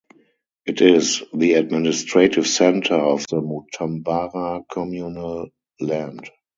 It is the administrative centre of the Mutambara communal land.